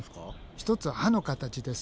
一つは歯の形です。